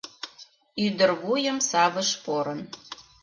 Ӱдыр вуйым савыш порын